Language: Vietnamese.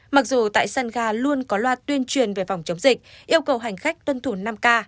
mặc dù tại sân ga luôn có loa tuyên truyền về phòng chống dịch yêu cầu hành khách tuân thủ năm k